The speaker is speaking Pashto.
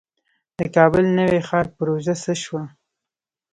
د کابل نوی ښار پروژه څه شوه؟